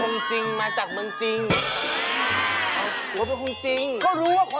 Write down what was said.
นี่มาจากพร้อมฮุรัตอ่ะ